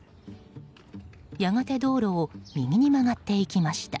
やがて、道路を右に曲がっていきました。